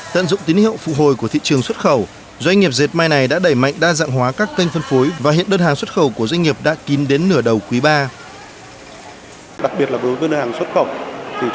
tận dụng tín hiệu phục hồi của thị trường xuất khẩu doanh nghiệp dệt mai này đã đẩy mạnh đa dạng hóa các kênh phân phối và hiện đơn hàng xuất khẩu của doanh nghiệp đã kín đến nửa đầu quý iii